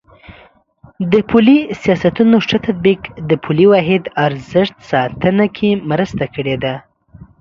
د پولي سیاستونو ښه تطبیق د پولي واحد ارزښت ساتنه کې مرسته کړې ده.